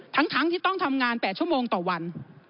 ทั้งที่ต้องทำงาน๘ชั่วโมงต่อวัน